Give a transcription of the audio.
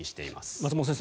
松本先生